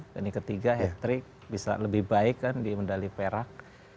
dan ini ketiga hat trick bisa lebih baik kan di medali perak